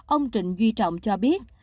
ông trịnh duy trọng cho biết